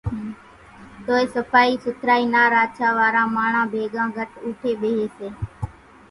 توئيَ صڦائِي سُٿرائِي نا راڇا واران ماڻۿان ڀيڳان گھٽ اُوٺيَ ٻيۿيَ سي۔